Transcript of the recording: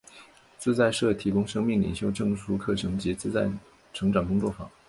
自在社提供生命领袖证书课程及自在成长工作坊。